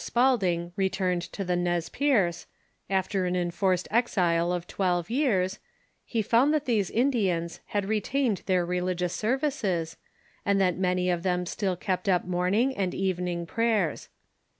Spaulding returned to the Nez Perces, after an enforced exile of twelve years, he found that these Indians had retained their religious services, and that many of them still kept up morning and evening prayers.